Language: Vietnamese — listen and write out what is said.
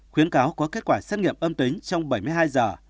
khuyến cáo có kết quả sát nghiệp âm tính trong bảy mươi hai giờ